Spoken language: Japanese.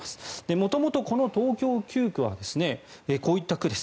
元々、この東京９区はこういった区です。